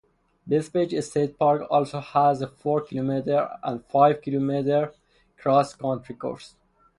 Bethpage State Park also has a four kilometer and five kilometer cross country course.